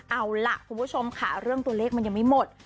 เอาล่ะคุณผู้ชมค่ะเรื่องตัวเลขมันยังไม่หมด